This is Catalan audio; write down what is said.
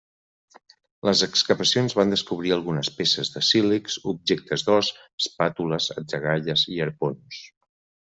Les excavacions van descobrir algunes peces de sílex, objectes d'os, espàtules, atzagaies i arpons.